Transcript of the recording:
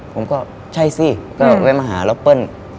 ผมก็ใช่สิก็แวะมาหาแล้วเปิ้ล